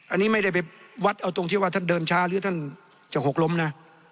อันนี้ไม่ได้ไปวัดเอาตรงที่ว่าท่านเดินช้าหรือท่านจะหกล้มนะ